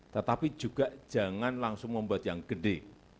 tetapi juga jangan langsung membuat yang gede